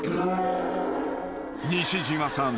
［西島さん。